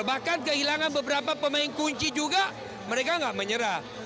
bahkan kehilangan beberapa pemain kunci juga mereka nggak menyerah